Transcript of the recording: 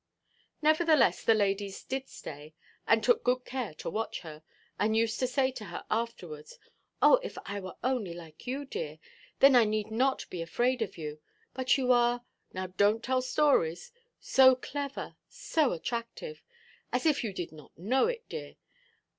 Nevertheless the ladies did stay, and took good care to watch her, and used to say to her afterwards, "Oh, if I were only like you, dear! Then I need not be afraid of you; but you are—now donʼt tell stories—so clever, and so attractive. As if you did not know it, dear!